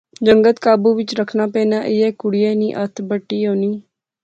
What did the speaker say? جنگت قابو وچ رکھنا پینا، ایہہ کڑیا نی ہتھ بٹی ہونی